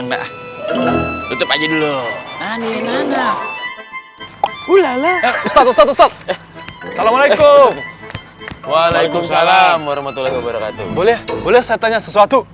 selama alaikum waalaikumsalam warahmatullah wabarakatuh boleh boleh saya tanya sesuatu